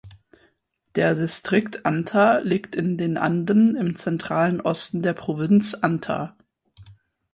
Der Distrikt Anta liegt in den Anden im zentralen Osten der Provinz Anta.